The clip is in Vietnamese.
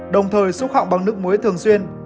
đồng thời xúc họng bằng nước muối thường xuyên